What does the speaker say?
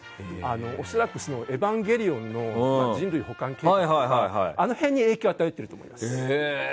恐らく「エヴァンゲリオン」の人類補完計画とかあの辺に影響を与えていると思います。